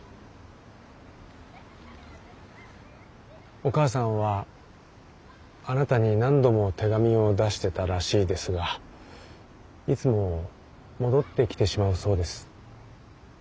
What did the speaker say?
お母さんはあなたに何度も手紙を出してたらしいですがいつも戻ってきてしまうそうです。